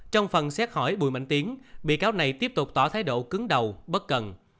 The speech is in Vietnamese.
trong phần xét hỏi bùi mảnh tiếng bị cáo này tiếp tục tỏ thái độ cứng đầu bất cần